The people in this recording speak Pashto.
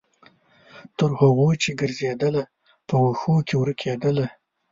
تر هغو چې ګرځیدله، په وښو کې ورکیدله